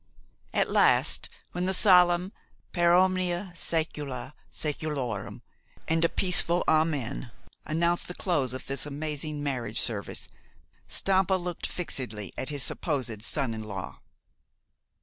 At last, when the solemn "per omnia secula seculorum" and a peaceful "Amen" announced the close of this amazing marriage service, Stampa looked fixedly at his supposed son in law.